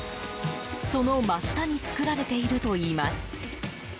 その真下に造られているといいます。